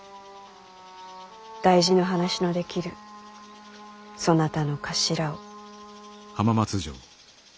大事な話のできるそなたの頭を。